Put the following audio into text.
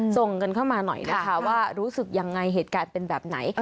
ส่งกันเข้ามาหน่อยนะคะว่ารู้สึกยังไงเหตุการณ์เป็นแบบไหน